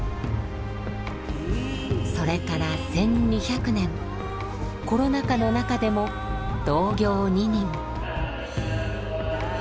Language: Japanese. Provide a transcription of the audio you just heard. それから１，２００年コロナ禍の中でも「同行二人」。